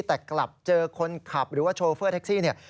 แต่กลับเจอคนขับหรือว่าโชเฟอร์แท็กซี่เนี่ย